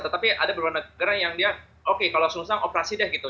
tetapi ada beberapa negara yang dia oke kalau sunsang operasi deh gitu